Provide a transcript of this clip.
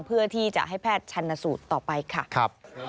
เพื่อที่จะให้แพทย์ชันสูตรต่อไปค่ะ